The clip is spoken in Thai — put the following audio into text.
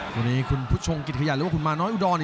วันนี้คุณผู้ชมกิจขยะหรือว่าคุณมาน้อยอุดร